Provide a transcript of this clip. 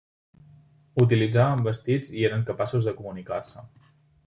Utilitzaven vestits i eren capaços de comunicar-se.